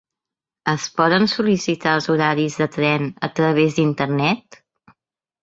Es poden sol·licitar els horaris de tren a través d'internet?